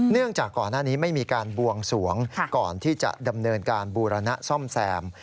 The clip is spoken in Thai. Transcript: จากก่อนหน้านี้ไม่มีการบวงสวงก่อนที่จะดำเนินการบูรณะซ่อมแซม